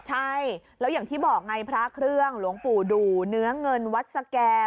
ใช่แล้วอย่างที่บอกไงพระเครื่องหลวงปู่ดูเนื้อเงินวัดสแก่